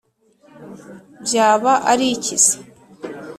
byaba ariki se?